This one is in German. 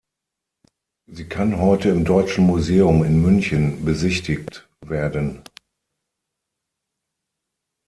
Sie kann heute im Deutschen Museum in München besichtigt werden.